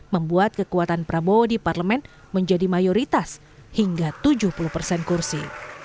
membuat kekuatan prabowo di parlemen menjadi mayoritas hingga tujuh puluh persen kursi